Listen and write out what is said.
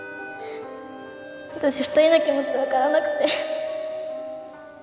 私２人の気持ちわからなくて。